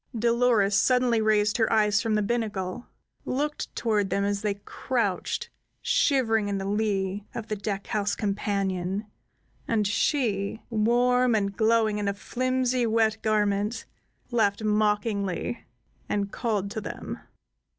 Dolores suddenly raised her eyes from the binnacle, looked toward them as they crouched shivering in the lee of the deck house companion, and she, warm and glowing in a flimsy, wet garment, laughed mockingly, and called to them.